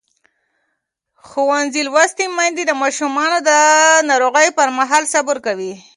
ښوونځې لوستې میندې د ماشومانو د ناروغۍ پر مهال صبر کوي.